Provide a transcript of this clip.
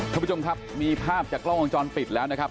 ท่านผู้ชมครับมีภาพจากกล้องวงจรปิดแล้วนะครับ